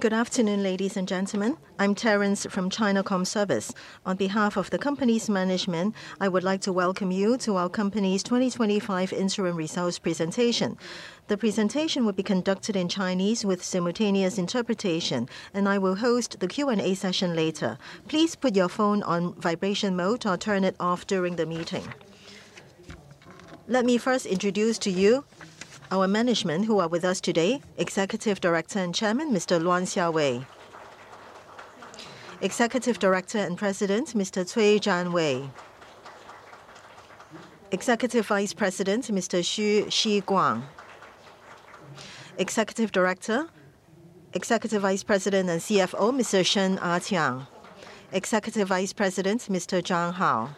Good afternoon, ladies and gentlemen. I'm Terence Chung from China Communications Services Corporation Limited. On behalf of the company's management, I would like to welcome you to our company's 2025 Interim Results Presentation. The presentation will be conducted in Chinese with simultaneous interpretation, and I will host the Q&A session later. Please put your phone on vibration mode or turn it off during the meeting. Let me first introduce to you our management who are with us today. Executive Director and Chairman, Mr. Luan Xiaowei. Executive Director and President, Mr. Cui Zhanwei. Executive Vice President, Mr. Xu Zhang. Executive Director, Executive Vice President and CFO, Mr. Shen Aqian. Executive Vice President, Mr. Zhang Hao.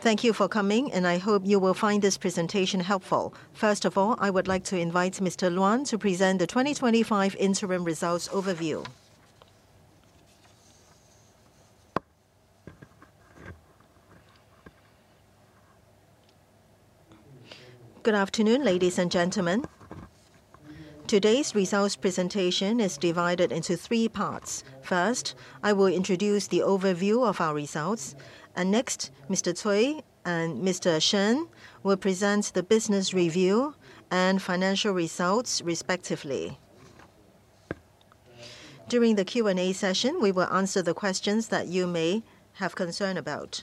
Thank you for coming and I hope you will find this presentation helpful. First of all, I would like to invite Mr. Luan to present the 2025 interim results overview. Good afternoon, ladies and gentlemen. Today's results presentation is divided into three parts. First, I will introduce the overview of our results, and next, Mr. Cui and Mr. Shen will present the business review and financial results respectively. During the Q&A session, we will answer the questions that you may have concern about.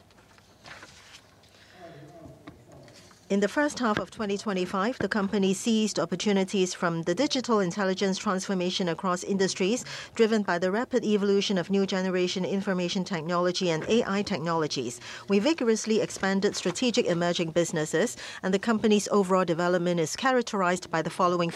In the first half of 2025, the company seized opportunities from the digital intelligence transformation across industries. Driven by the rapid evolution of new generation information technology and AI technologies, we vigorously expanded strategic emerging businesses and the company's overall development is characterized by the following.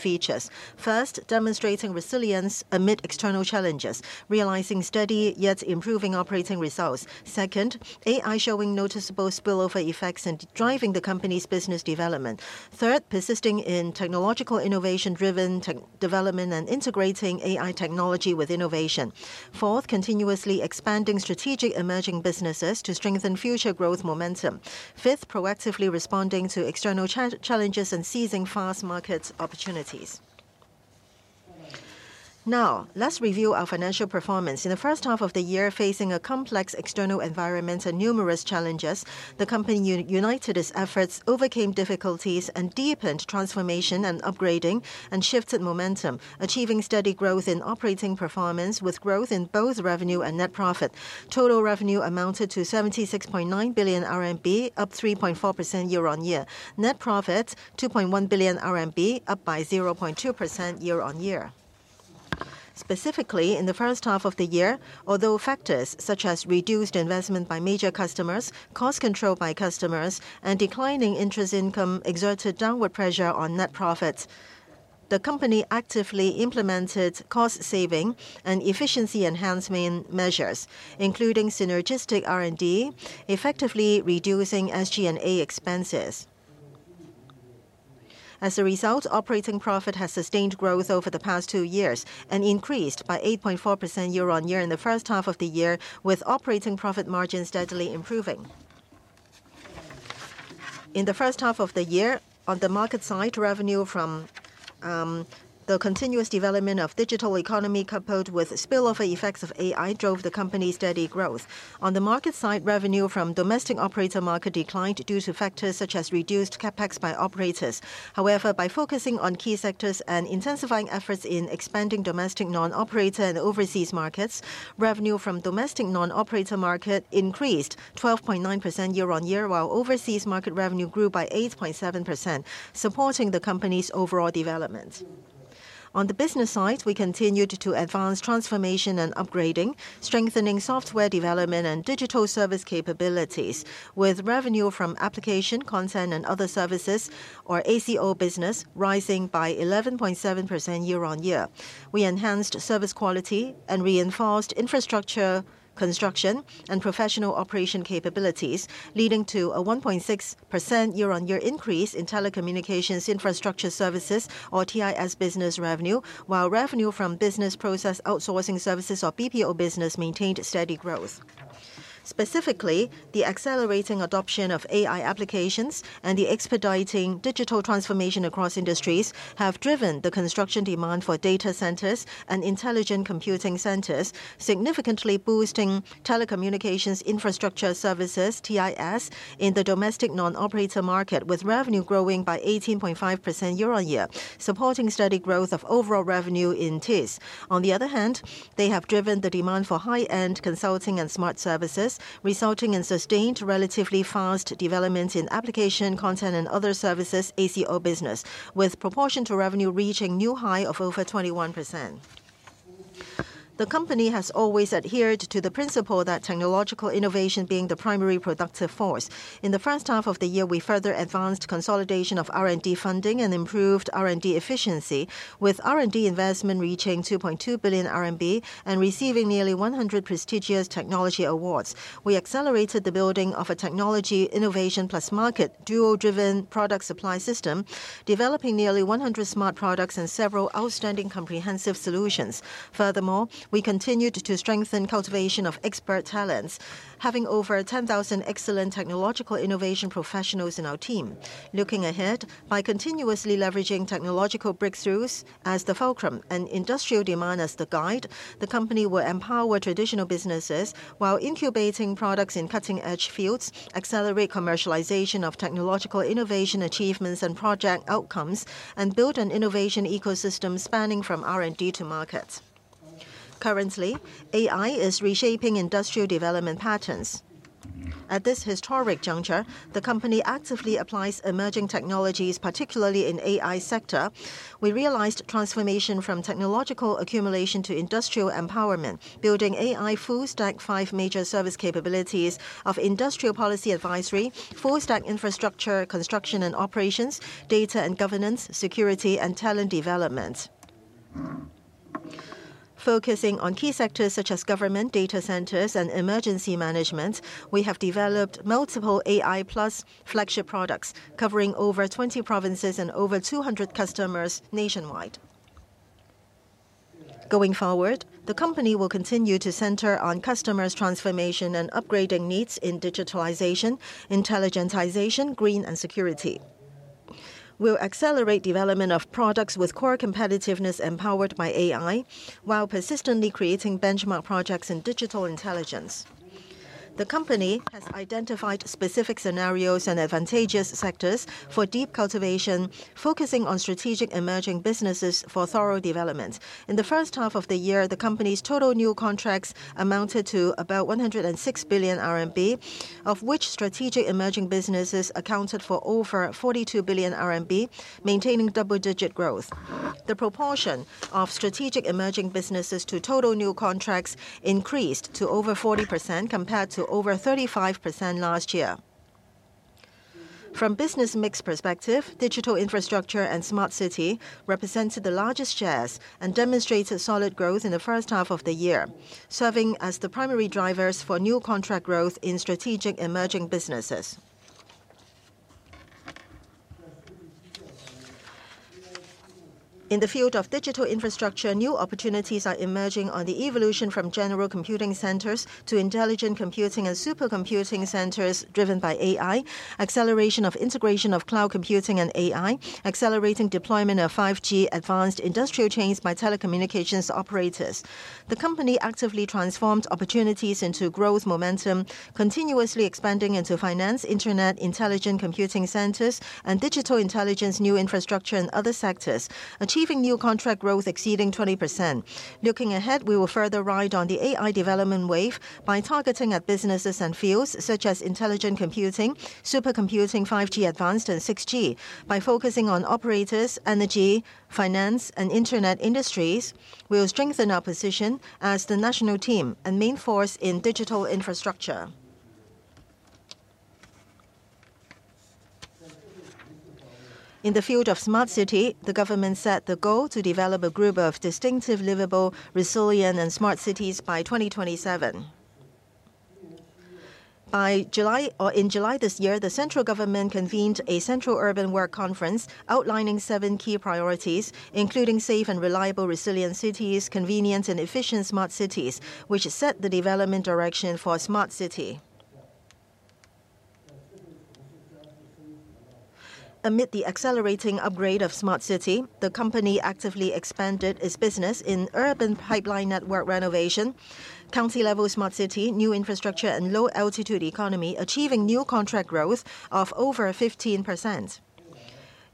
First, demonstrating resilience amid external challenges, realizing steady yet improving operating results. Second, AI showing noticeable spillover effects in driving the company's business development. Third, persisting in technological innovation driven development and integrating AI technology with innovation. Fourth, continuously expanding strategic emerging businesses to strengthen future growth momentum. Fifth, proactively responding to external challenges and seizing fast market opportunities. Now, let's review our financial performance in. The first half of the year. Facing a complex external environment and numerous challenges, the company united its efforts, overcame difficulties, and deepened transformation and upgrading and shifted momentum, achieving steady growth in operating performance with growth in both revenue and net profit. Total revenue amounted to 76.9 billion RMB, up 3.5%. Net profit was 2.1 billion RMB, up by 0.2% year-on-year, specifically. In the first half of the year. Although factors such as reduced investment by major customers, cost control by customers, and declining interest income exerted downward pressure on net profits, the company actively implemented cost saving and efficiency enhancement measures including synergistic R&D, effectively reducing SG&A expenses. As a result, operating profit has sustained growth over the past two years and increased by 8.4% year-on-year. In the first half of the year. With operating profit margin steadily improving. The first half of the year. On the market side, revenue from the continuous development of digital economy coupled with spillover effects of AI drove the company's steady growth. On the market side, revenue from domestic operator market declined due to factors such as reduced CapEx by operators. However, by focusing on key sectors and intensifying efforts in expanding domestic non-operator and overseas markets, revenue from domestic non-operator market increased 12.9% year-on-year while overseas market revenue grew by 8.7%, supporting the company's overall development. On the business side, we continued to advance transformation and upgrading, strengthening software development and digital service capabilities with revenue from application content and other services, our ACO business, rising by 11.7% year-on-year. We enhanced service quality and reinforced infrastructure construction and professional operation capabilities, leading to a 1.6% year-on-year increase in telecommunications infrastructure services or TIS business revenue, while revenue from business process outsourcing services or BPO business maintained steady growth. Specifically, the accelerating adoption of AI applications and the expediting digital transformation across industries have driven the construction demand for data centers and intelligent computing centers, significantly boosting telecommunications infrastructure services (TIS) in the domestic non-operator market with revenue growing by 18.5% year-on-year, supporting steady growth of overall revenue in TIS. On the other hand, they have driven the demand for high-end consulting and smart services, resulting in sustained relatively fast development in application content and other services business with proportion to revenue reaching new high of over 21%. The company has always adhered to the principle that technological innovation being the primary productive force. In the first half of the year. We further advanced consolidation of R&D funding and improved R&D efficiency. With R&D investment reaching 2.2 billion RMB and receiving nearly 100 prestigious technology awards, we accelerated the building of a technology innovation plus market duo-driven product supply system, developing nearly 100 smart products and several outstanding comprehensive solutions. Furthermore, we continued to strengthen cultivation of expert talents, having over 10,000 excellent technological innovation professionals in our team. Looking ahead, by continuously leveraging technological breakthroughs as the fulcrum and industrial demand as the guide, the Company will empower traditional businesses while incubating products in cutting-edge fields, accelerate commercialization of technological innovation achievements and project outcomes, and build an innovation ecosystem spanning from R&D to markets. Currently, AI is reshaping industrial development patterns. At this historic juncture, the Company actively applies emerging technologies, particularly in the AI sector. We realized transformation from technological accumulation to industrial empowerment, building AI full-stack five major service capabilities of industrial policy advisory, full-stack infrastructure construction and operations, data and governance, security, and talent development, focusing on key sectors such as government data centers and emergency management. We have developed multiple AI flagship products covering over 20 provinces and over 200 customers nationwide. Going forward, the Company will continue to center on customers' transformation and upgrading needs in digitalization, intelligentization, green, and security. We'll accelerate development of products with core competitiveness empowered by AI while persistently creating benchmark projects in digital intelligence. The Company has identified specific scenarios and advantageous sectors for deep cultivation, focusing on strategic emerging businesses for thorough development. In the first half of the year. The Company's total new contracts amounted to about 106 billion RMB, of which strategic emerging businesses accounted for over 42 billion RMB, maintained double-digit growth. The proportion of strategic emerging businesses to total new contracts increased to over 40% compared to over 35% last year. From a business mix perspective, digital infrastructure and Smart City represented the largest shares and demonstrated solid growth in the first half of the year, serving as the primary drivers for new contract growth in strategic emerging businesses. In the field of digital infrastructure, new opportunities are emerging on the evolution from general computing centers to intelligent computing and supercomputing centers. Driven by AI, acceleration of integration of cloud computing and AI, accelerating deployment of 5G advanced industrial chains by telecommunications operators, the company actively transformed opportunities into growth momentum, continuously expanding into finance, Internet, intelligent computing centers, and digital intelligence. New infrastructure in other sectors achieved new contract growth exceeding 20%. Looking ahead, we will further ride on the AI development wave by targeting businesses and fields such as intelligent computing, supercomputing, 5G, advanced and 6G. By focusing on operators, energy, finance, and Internet industries, we will strengthen our position as the national team and main force in digital infrastructure. In the field of Smart City, the government set the goal to develop a group of distinctive, livable, resilient, and Smart Cities by 2027. In July this year, the central government convened a Central Urban Work Conference outlining seven key priorities including safe and reliable resilient cities, convenient and efficient smart cities, which set the development direction for Smart City. Amid the accelerating upgrade of Smart City, the company actively expanded its business in urban pipeline, network renovation, county-level Smart City, new infrastructure, and low-altitude economy, achieving new contract growth of over 15%.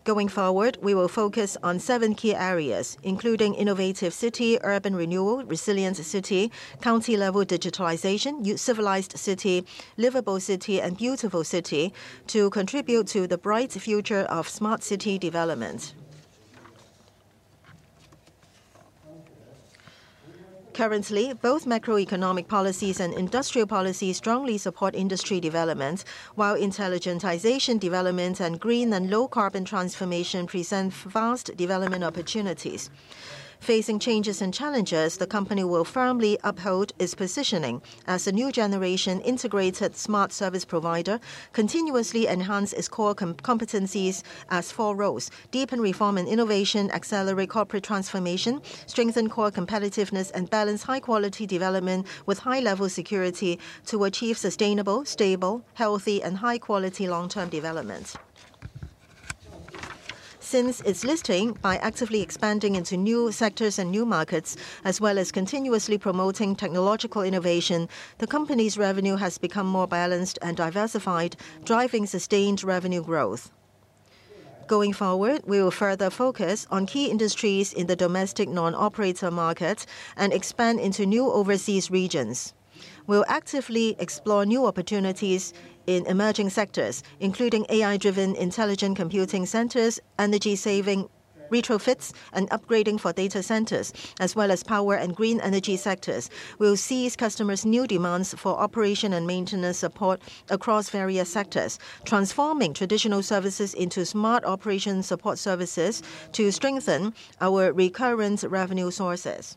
Going forward, we will focus on seven key areas including innovative city, urban renewal, resilient city, county-level digitalization, civilized city, livable city, and beautiful city to contribute to the bright future of Smart City development. Currently, both macroeconomic policies and industrial policies strongly support industry development, while intelligentization development and green and low carbon transformation present vast development opportunities. Facing changes and challenges, the Company will firmly uphold its positioning as a new generation integrated smart service provider, continuously enhance its core competencies as four deepen, reform and innovation, accelerate corporate transformation, strengthen core competitiveness, and balance high quality development with high level security to achieve sustainable, stable, healthy, and high quality long term development. Since its listing, by actively expanding into new sectors and new markets as well as continuously promoting technological innovation, the Company's revenue has become more balanced and diversified, driving sustainability sustained revenue growth. Going forward, we will further focus on key industries in the domestic non operator market and expand into new overseas regions. We'll actively explore new opportunities in emerging sectors including AI driven intelligent computing centers, energy saving retrofits and upgrading for data centers as well as power and green energy sectors. We'll seize customers' new demands for operation and maintenance support across various sectors, transforming traditional services into small smart operations support services to strengthen our recurrent revenue sources.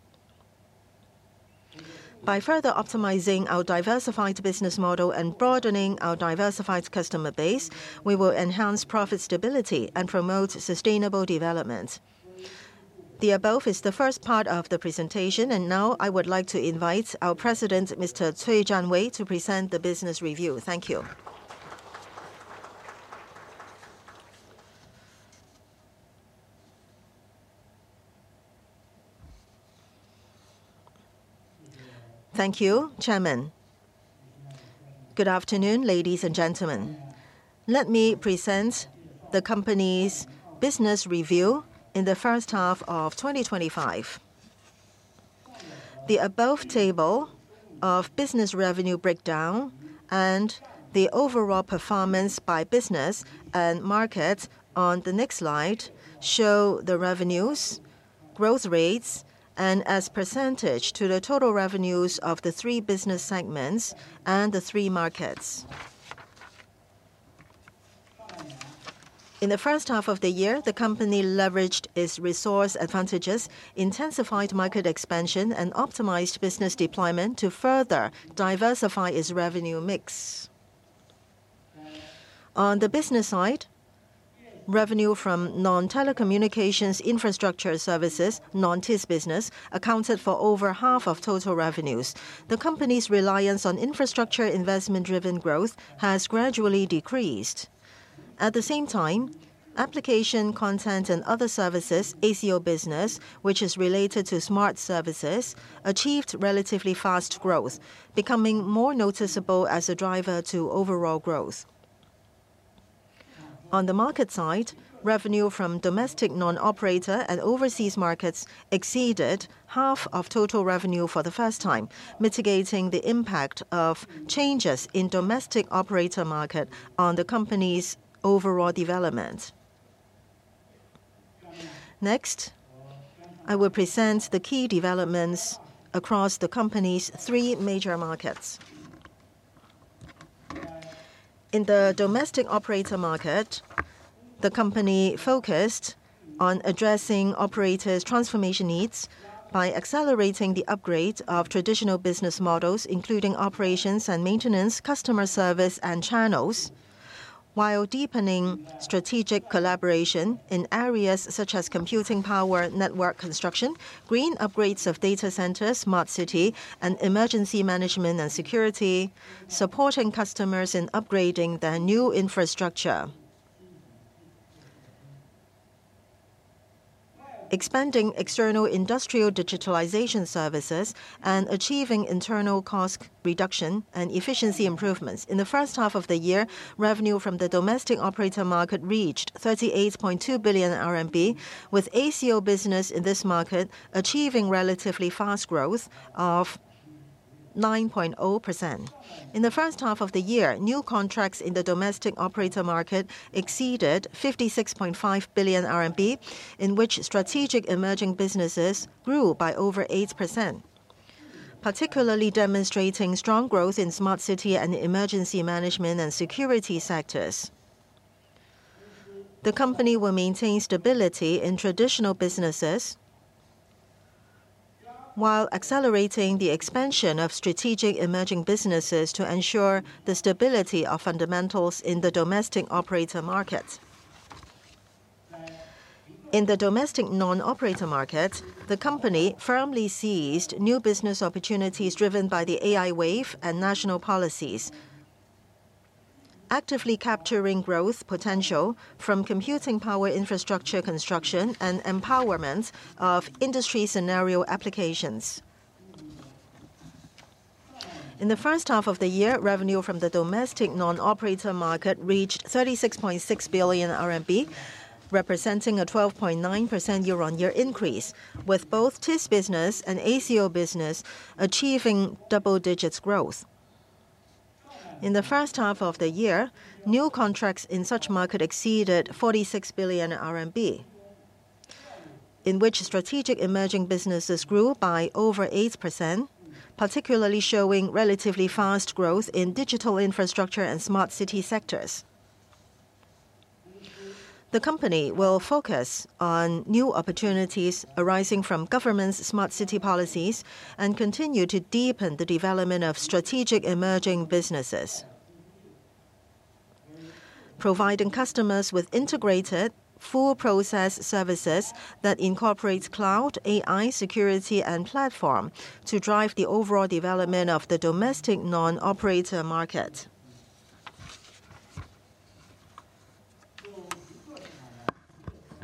By further optimizing our diversified business model and broadening our diversified customer base, we will enhance profit stability and promote sustainable development. The above is the first part of the presentation and now I would like to invite our President, Mr. Cui Zhanwei, to present the business review. Thank you. Thank you, Chairman. Good afternoon, ladies and gentlemen. Let me present the Company's business review in the first half of 2025, the above table of business revenue breakdown and the overall performance by business and market. On the next slide show, the revenues, growth rates, and as percentage to the total revenues of the three business segments and the three markets. In the first half of the year. The Company leveraged its resource advantages, intensified market expansion, and optimized business deployment to further diversify its revenue mix. On the business side, revenue from non-telecommunications infrastructure services accounted for over half of total revenues. The Company's reliance on infrastructure investment-driven growth has gradually decreased. At the same time, application content and other services (ACO) business, which is related to smart services, achieved relatively fast growth, becoming more noticeable as a driver to overall growth. On the market side, revenue from domestic, non-operator, and overseas markets exceeded half of total revenue for the first time, mitigating the impact of changes in the domestic operator market on the Company's overall development. Next, I will present the key developments across the Company's three major markets. In the domestic operator market, the Company focused on addressing operators' transformation needs by accelerating the upgrade of traditional business models, including operations and maintenance, customer service, and channels, while deepening strategic collaboration in areas such as computing power, network construction, green upgrades of data, data center, Smart City, and emergency management and security. Supporting customers in upgrading their new infrastructure, expanding external industrial digitalization services, and achieving internal cost reduction and efficiency improvements. In the first half of the year. Revenue from the domestic operator market reached 38.2 billion RMB, with ACO business in this market achieving relatively fast growth of 9.0%. In the first half of the year. New contracts in the domestic operator market exceeded 56.5 billion RMB, in which strategic emerging businesses grew by over 8%, particularly demonstrating strong growth in Smart City and emergency management and security sectors. The company will maintain stability in traditional businesses while accelerating the expansion of strategic emerging businesses to ensure the stability of fundamentals in the domestic operator market. In the domestic non-operator market, the company firmly seized new business opportunities driven by the AI wave and national policies, actively capturing growth potential from computing power, infrastructure construction, and empowerment of industry scenario applications. In the first half of the year. Revenue from the domestic non-operator market reached 36.6 billion RMB, representing a 12.9% year-on-year increase, with both TIS business and ACO business achieving double-digit growth. In the first half of the year. New contracts in such market exceeded 46 billion RMB, in which strategic emerging businesses grew by over 8%, particularly showing relatively fast growth in digital infrastructure and Smart City sectors. The company will focus on new opportunities arising from government's Smart City policies and continue to deepen the development of strategic emerging businesses, providing customers with integrated full process services that incorporate cloud, AI, security, and platform to drive the overall development of the domestic non-operator market.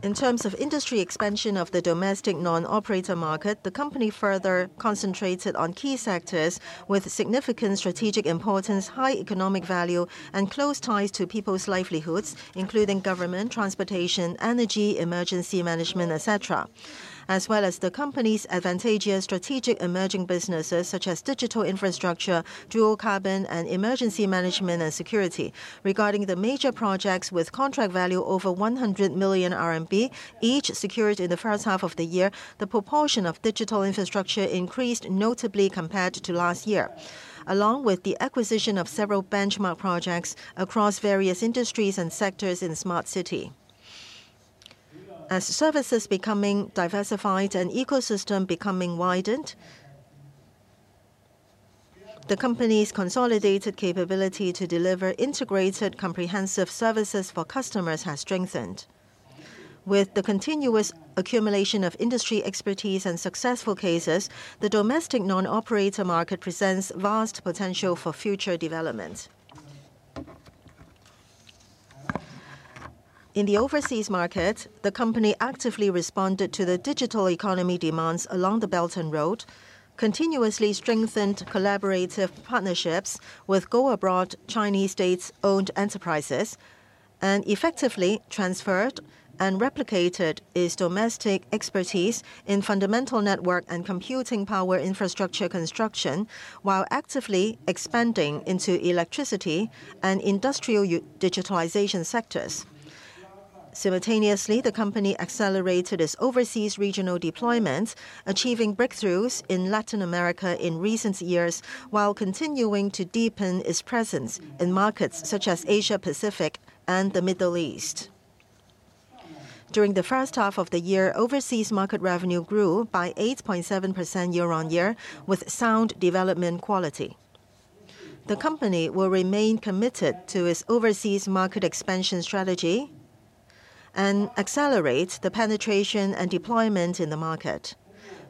In terms of industry expansion of the domestic non-operator market, the company further concentrated on key sectors with significant strategic importance, high economic value, and close ties to people's livelihoods, including government, transportation, energy, emergency management, etc., as well as the company's advantageous strategic emerging businesses such as digital infrastructure, dual carbon, and emergency management and security. Regarding the major projects with contract value over 100 million RMB each secured in. The first half of the year. Proportion of digital infrastructure increased notably compared to last year along with the acquisition of several benchmark projects across various industries and sectors in Smart City. As services becoming diversified and ecosystem becoming widened, the Company's consolidated capability to deliver integrated comprehensive services for customers has strengthened. With the continuous accumulation of industry expertise and successful cases, the domestic non-operator market presents vast potential for future development. In the overseas market, the Company actively responded to the digital economy demands along the Belt and Road, continuously strengthened collaborative partnerships with go abroad Chinese state-owned enterprises and effectively transferred and replicated its domestic expertise in fundamental network and computing power infrastructure construction while actively expanding into electricity and industrial use digitalization sectors. Simultaneously, the Company accelerated its overseas regional deployment, achieving breakthroughs in Latin America in recent years while continuing to deepen its presence in markets such as Asia Pacific and the Middle East. During the first half of the year. Overseas market revenue grew by 8.7% year-on-year. With sound development quality, the Company will remain committed to its overseas market expansion strategy and accelerate the penetration and deployment in the market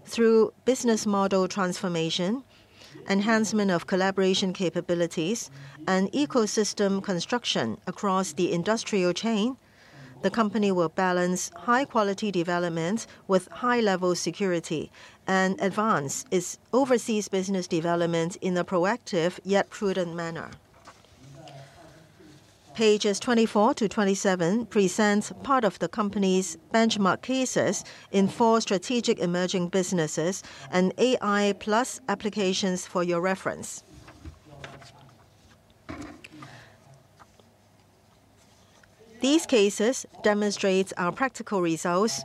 through business model transformation, enhancement of collaboration capabilities, and ecosystem construction across the industrial chain. The Company will balance high quality development with high level security and advance its overseas business development in a proactive yet prudent manner. Pages 24-27 present part of the Company's benchmark cases in four strategic emerging businesses and AI applications. For your reference, these cases demonstrate our practical results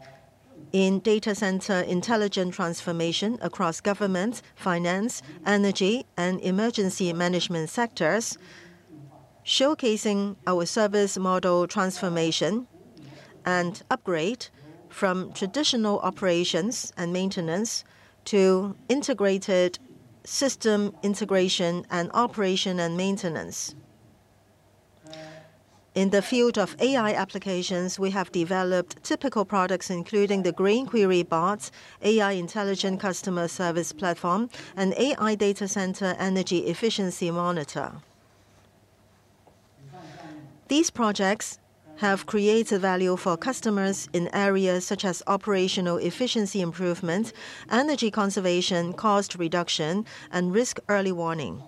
in data center intelligent transformation across government, finance, energy, and emergency management sectors, showcasing our service model transformation and upgrade from traditional operations and maintenance to integrated system integration and operation and maintenance. In the field of AI applications, we have developed typical products including the Green Query Bots, AI Intelligent Customer Service Platform, and AI Data Center Energy Efficiency Monitor. These projects have created value for customers in areas such as operational efficiency improvement, energy conservation, cost reduction, and risk early warning.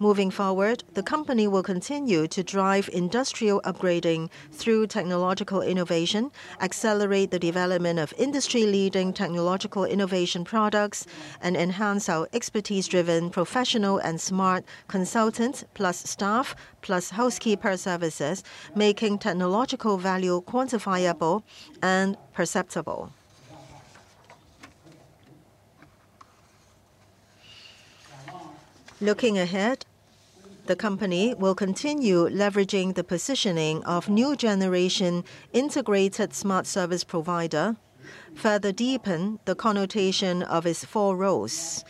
Moving forward, the Company will continue to drive industrial upgrading through technological innovation, accelerate the development of industry leading technological innovation products, and enhance our expertise driven professional and smart consultants plus staff plus housekeeper services, making technological value quantifiable and perceptible. Looking ahead, the Company will continue leveraging the positioning of new generation integrated smart service provider, further deepen the connotation of its four roles,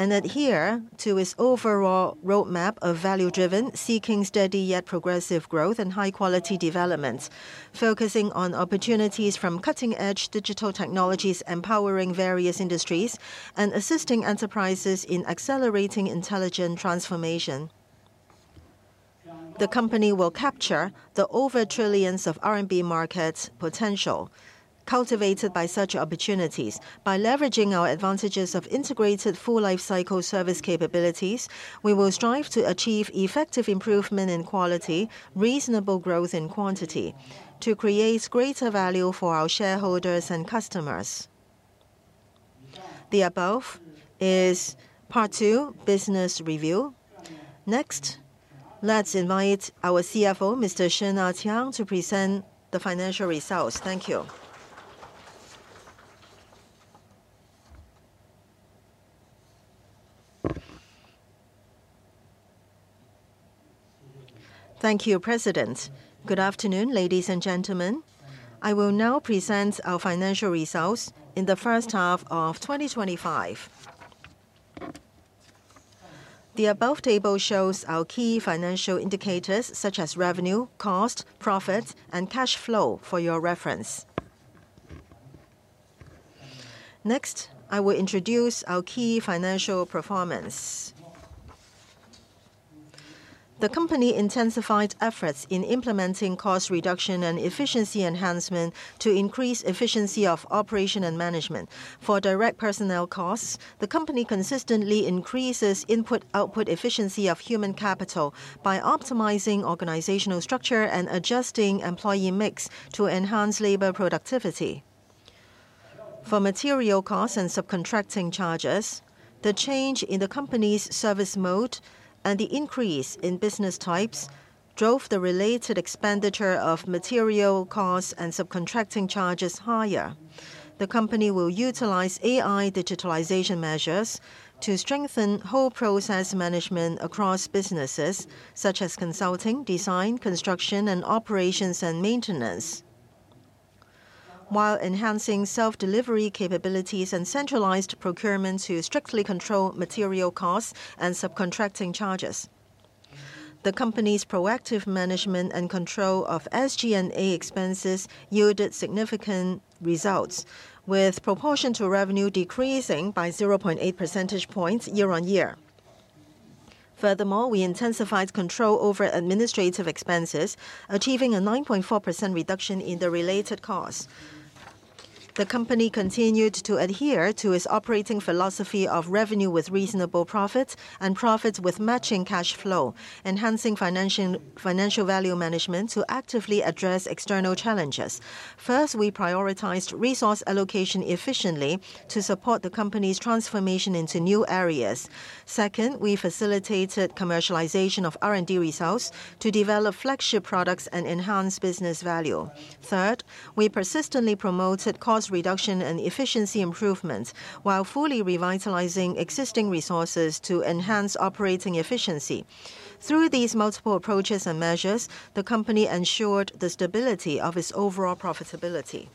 and adhere to its overall roadmap of value driven seeking steady yet progressive growth and high quality developments. Focusing on opportunities from cutting edge digital technologies, empowering various industries, and assisting enterprises in accelerating intelligent transformation, the Company will capture the over trillions of RMB market potential cultivated by such opportunities. By leveraging our advantages of integrated full lifecycle service capabilities, we will strive to achieve effective improvement in quality, reasonable growth in quantity to create greater value for our shareholders and customers. The above is part two business review. Next, let's invite our CFO, Mr. Shen Aqiang, to present the financial results. Thank you. Thank you, President. Good afternoon, ladies and gentlemen. I will now present our financial results in the first half of 2025. The above table shows our key financial indicators such as revenue, cost, profit, and cash flow for your reference. Next, I will introduce our key financial performance. The Company intensified efforts in implementing cost reduction and efficiency enhancement to increase efficiency of operation and management. For direct personnel costs, the Company consistently increases input, output, efficiency of human capital by optimizing organizational structure and adjusting employee mix to enhance labor productivity. For material costs and subcontracting charges, the change in the Company's service mode and the increase in business types drove the related expenditure of material costs and subcontracting charges higher. The Company will utilize AI digitalization measures to strengthen whole process management across businesses such as consulting, design, construction, and operations and maintenance, while enhancing self-delivery capabilities and centralized procurement to strictly control material costs and subcontracting charges. The Company's proactive management and control of SG&A expenses yielded significant results with proportion to revenue decreasing by 0.8% year-on-year. Furthermore, we intensified control over administrative expenses, achieving a 9.4% reduction in the related costs. The Company continued to adhere to its operating philosophy of revenue with reasonable profits and profits with matching cash flow. Enhancing Financial Value Management to actively address external challenges, first, we prioritized resource allocation efficiently to support the Company's transformation into new areas. Second, we facilitated commercialization of R&D results to develop flagship products and enhance business value. Third, we persistently promoted cost reduction and efficiency improvement while fully revitalizing existing resources to enhance operating efficiencies. Through these multiple approaches and measures, the Company ensured the stability of its overall profitability.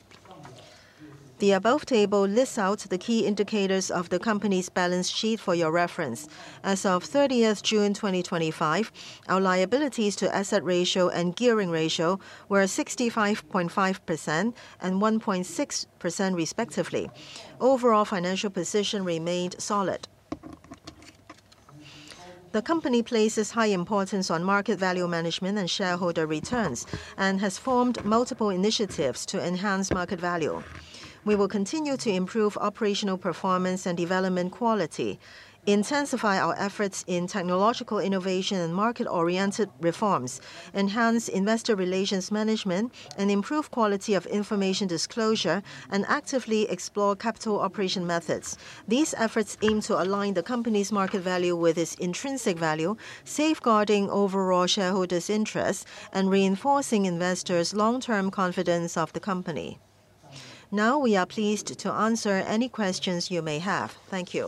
The above table lists out the key indicators of the Company's balance sheet for your reference. As of 30 June 2025, our liabilities-to-asset ratio and gearing ratio were 65.5% and 1.6% respectively. Overall financial position remained solid. The Company places high importance on market value management and shareholder returns, and has formed multiple initiatives to enhance market value. We will continue to improve operational performance and development quality, intensify our efforts in technological innovation and market-oriented reforms, enhance Investor Relations management, improve quality of information disclosure, and actively explore capital operation methods. These efforts aim to align the Company's market value with its intrinsic value, safeguarding overall shareholders' interests and reinforcing investors' long-term confidence of the Company. Now we are pleased to answer any questions you may have. Thank you.